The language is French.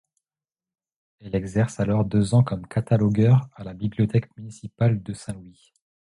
Elle exerce alors deux ans comme catalogueur à la bibliothèque municipale de Saint Louis.